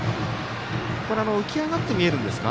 浮き上がって見えるんですか？